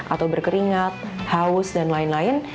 atau berkeringat haus dan lain lain